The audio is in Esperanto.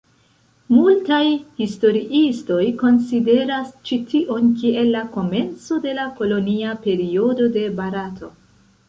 Multaj historiistoj konsideras ĉi tion kiel la komenco de la kolonia periodo de Barato.